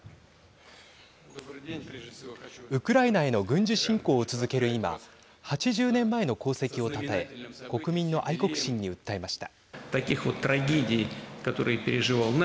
ウクライナへの軍事侵攻を続ける今８０年前の功績をたたえ国民の愛国心に訴えました。